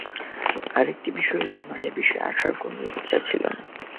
আরেকটি বিষয় হলো, আমার এবিষয়ে আসার কোনো ইচ্ছা ছিল না।